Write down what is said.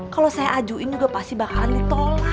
kalau saya ajuin juga pasti bakalan ditolak